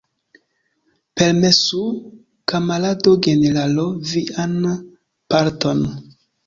Permesu, kamarado generalo, vian palton.